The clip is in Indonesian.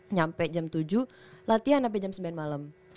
nyampe jam tujuh latihan sampe jam sembilan malem